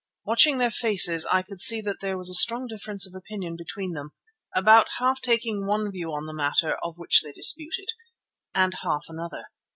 Watching their faces I could see that there was a strong difference of opinion between them, about half taking one view on the matter of which they disputed, and half another.